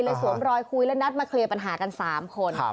สวมรอยคุยและนัดมาเคลียร์ปัญหากัน๓คน